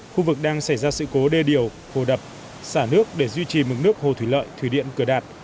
khu vực đang xảy ra sự cố đê điều hồ đập xả nước để duy trì mực nước hồ thủy lợi thủy điện cửa đạt